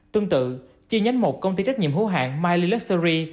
tương tự chi nhánh một công ty trách nhiệm hữu hạn miley luxury